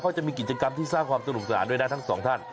เขาจะมีกิจกรรมที่สร้างความสนุกสนานด้วยนะทั้งสองท่าน